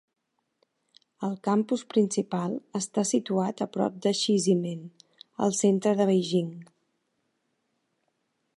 El campus principal està situat a prop de Xizhimen, al centre de Beijing.